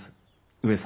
上様。